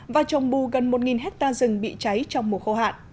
và trồng bù gần một hectare rừng bị cháy trong mùa khô hạn